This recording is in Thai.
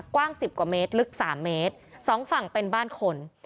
กว้างสิบกว่าเมตรลึก๓เมตรสองฝั่งเป็นบ้านคน